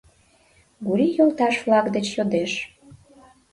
— Гурий йолташ-влак деч йодеш.